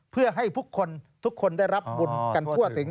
เพื่อให้ทุกคนทุกคนได้รับบุญกันทั่วถึง